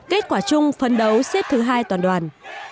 kết quả chung phấn đấu xếp thứ hai toàn đoàn